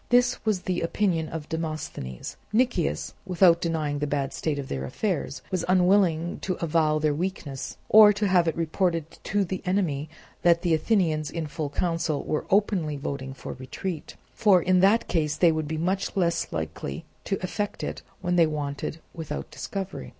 This was the opinion of Demosthenes. Nicias, without denying the bad state of their affairs, was unwilling to avow their weakness, or to have it reported to the enemy that the Athenians in full council were openly voting for retreat; for in that case they would be much less likely to effect it when they wanted without discovery.